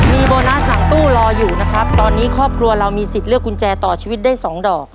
มีโบนัสหลังตู้รออยู่นะครับตอนนี้ครอบครัวเรามีสิทธิ์เลือกกุญแจต่อชีวิตได้สองดอก